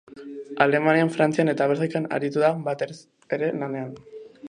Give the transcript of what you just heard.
Alemanian, Frantzian eta Belgikan aritu da batez ere lanean.